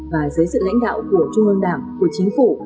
và dưới sự lãnh đạo của trung ương đảng của chính phủ